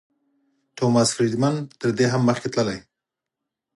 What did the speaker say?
ټوماس فریډمن تر دې هم مخکې تللی.